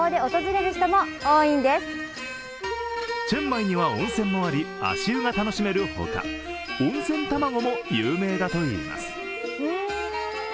チェンマイには温泉もあり足湯を楽しめるほか、温泉卵も有名だといいます。